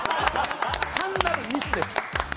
単なるミスです。